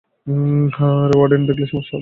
হ্যাঁ আরে, ওয়ার্ডেন দেখলে সমস্যা হবে।